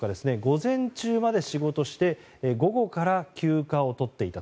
午前中まで仕事をして午後から休暇を取っていた。